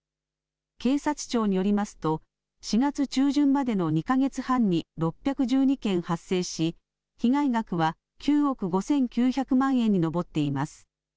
警察庁によりますと、４月中旬までの２か月半に６１２件発生し、被害額は９億５９００万円に上っています。